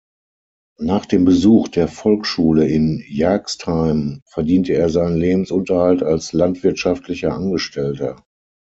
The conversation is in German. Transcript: Nach dem Besuch der Volksschule in Jagstheim verdiente er seinen Lebensunterhalt als landwirtschaftlicher Angestellter.